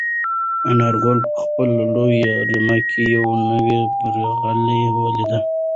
انارګل په خپله لویه رمه کې یو نوی برغلی ولید.